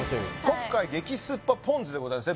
今回激酸っぱポン酢でございます